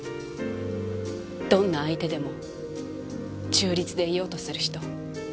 どんな相手でも中立でいようとする人。